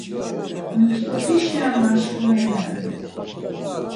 Mtzupişe maşǩurinen.